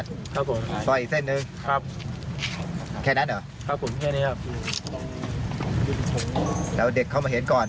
ต้อยอีกเส้นหนึ่งแค่นั้นหรอกแล้วเด็กเขามาเห็นก่อน